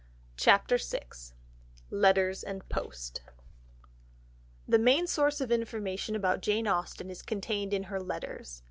CHAPTER VI LETTERS AND POST The main source of information about Jane Austen is contained in her letters.